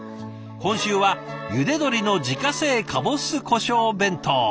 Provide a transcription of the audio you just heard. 今週はゆで鶏の自家製かぼす胡椒弁当。